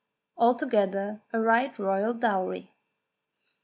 Altogether a right royal dowry.